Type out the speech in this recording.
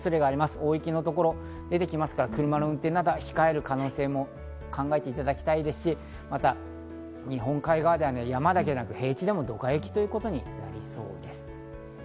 大雪のところが出てくるので、車の運転などは控える可能性なども考えていただきたいですし、また日本海側では山だけでなく平地でもドカ雪ということになりそうです。